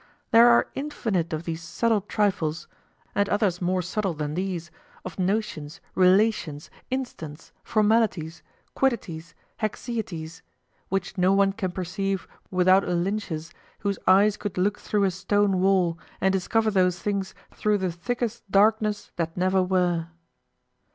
There are infinite of these subtle trifles, and others more subtle than these, of notions, relations, instants, formalities, quiddities, haecceities, which no one can perceive without a Lynceus whose eyes could look through a stone wall and discover those things through the thickest darkness that never were.